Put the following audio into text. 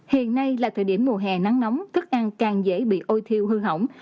hiện nay là thời điểm mùa hè nắng nóng thức ăn càng dễ bị ôi thiêu hư hỏng